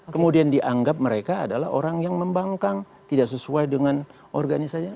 kemudian dianggap mereka adalah orang yang membangkang tidak sesuai dengan organisasi